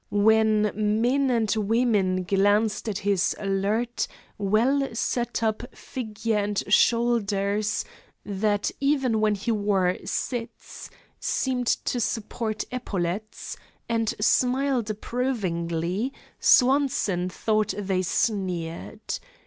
When men and women glanced at his alert, well set up figure and shoulders, that even when he wore "cits" seemed to support epaulets, and smiled approvingly, Swanson thought they sneered.